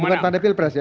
bukan tanda pilpres ya